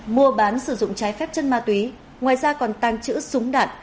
mua bán sử dụng trái phép chân ma túy ngoài ra còn tàng trữ súng đạn